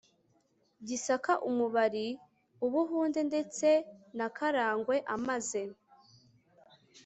gisaka u mubari u buhunde ndetse na karagwe amaze